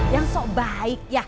yang sok baik